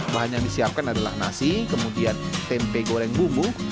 bahan yang disiapkan adalah nasi kemudian tempe goreng bumbu